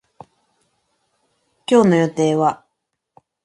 今日の予定は